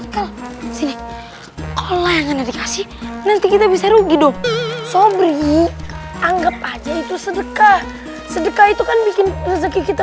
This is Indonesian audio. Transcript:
kasih kasih nanti kita bisa rugi dong sobri anggap aja itu sedekah sedekah itu kan bikin rezeki kita